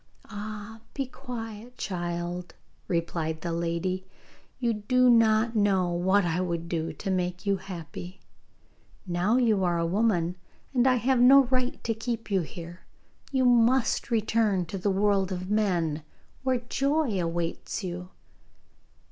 'Ah, be quiet, child,' replied the lady; 'you do not know what I would do to make you happy. Now you are a woman, and I have no right to keep you here. You must return to the world of men, where joy awaits you.